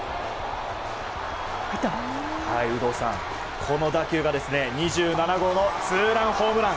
有働さん、この打球が２７号のツーランホームラン。